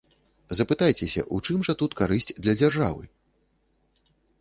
Запытаецеся, у чым жа тут карысць для дзяржавы?